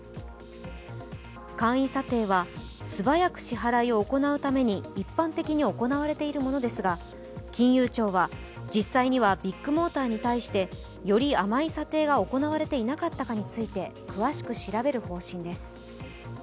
簡易査定は素早く支払いを行うために一般的に行われているものですが金融庁は実際にはビッグモーターに対して、より甘い査定が行われていなかったかについて詳しく調べる方針です。